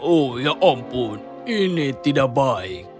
oh ya ampun ini tidak baik